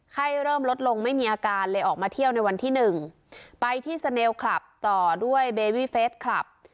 ไข้เริ่มลดลงไม่มีอาการเลยออกมาเที่ยวในวันที่หนึ่งไปที่สเนลคลับต่อด้วยเบบีเฟสคลับ